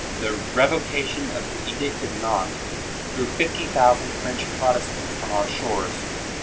The revocation of the Edict of Nantes threw fifty thousand French Protestants on our shores.